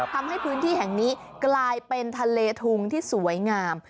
ทำให้พื้นที่แห่งนี้กลายเป็นทะเลทุงที่สวยงาม